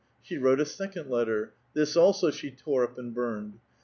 8he wrote a second letter; this, also, she tore up and burned.